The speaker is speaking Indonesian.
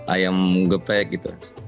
ayam geprek gitu